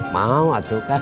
mau atuh kang